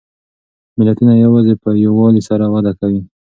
ملتونه یوازې په یووالي سره وده کوي.